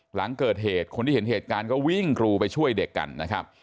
หลังเกิดเหตุคนที่เห็นเหตุการณ์ก็วิ่งกรูไปช่วยเด็กกันนะครับ